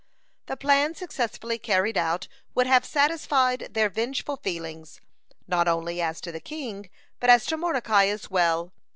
The plan successfully carried out would have satisfied their vengeful feelings, not only as to the king, but as to Mordecai as well.